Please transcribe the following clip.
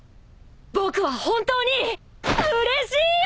僕は本当にうれしいよ！